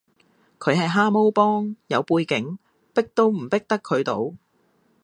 佢係蛤蟆幫，有背景，逼都逼唔得佢到